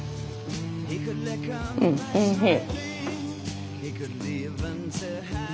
うんおいしい。